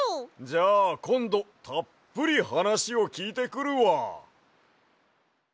じゃあこんどたっぷりはなしをきいてくるわ。